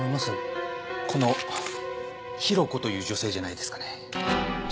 この弘子という女性じゃないですかね。